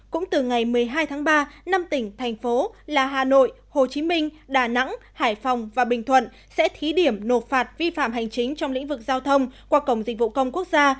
cũng từ ngày một mươi hai tháng ba năm tỉnh thành phố là hà nội hồ chí minh đà nẵng hải phòng và bình thuận sẽ thí điểm nộp phạt vi phạm hành chính trong lĩnh vực giao thông qua cổng dịch vụ công quốc gia